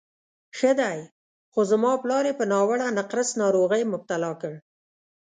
ښه دی، خو زما پلار یې په ناوړه نقرس ناروغۍ مبتلا کړ.